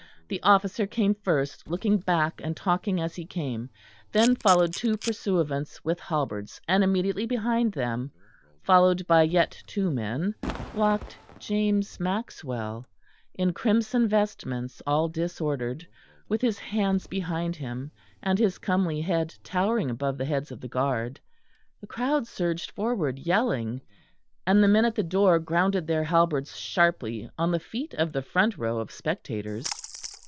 The officer came first, looking back and talking as he came; then followed two pursuivants with halberds, and immediately behind them, followed by yet two men, walked James Maxwell in crimson vestments all disordered, with his hands behind him, and his comely head towering above the heads of the guard. The crowd surged forward, yelling; and the men at the door grounded their halberds sharply on the feet of the front row of spectators.